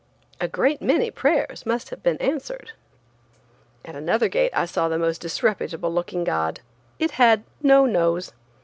A great many prayers must have been answered. At another gate I saw the most disreputable looking god. It had no nose.